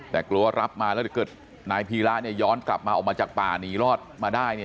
แต่กลัวรับมาแล้วถ้าเกิดนายพีระย้อนกลับมาออกมาจากป่านีรอดมาได้